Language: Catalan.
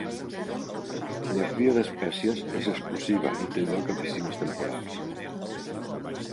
La cria d'espècies és explosiva i té lloc a piscines temporals.